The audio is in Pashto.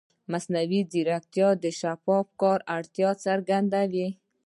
مصنوعي ځیرکتیا د شفاف کار اړتیا څرګندوي.